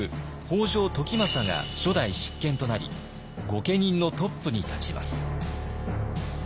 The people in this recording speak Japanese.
北条時政が初代執権となり御家人のトップに立ちます。